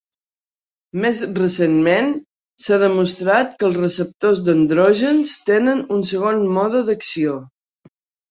Més recentment, s'ha demostrat que els receptors d'andrògens tenen un segon mode d'acció.